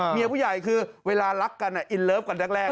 ผู้ใหญ่คือเวลารักกันอินเลิฟกันแรก